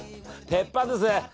鉄板ですね。